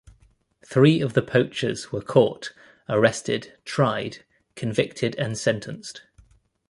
Three of the poachers were caught, arrested, tried, convicted and sentenced.